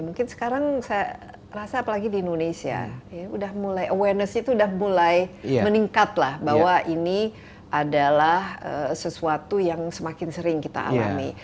mungkin sekarang saya rasa apalagi di indonesia itu sudah mulai meningkatlah bahwa ini adalah sesuatu yang semakin sering kita alami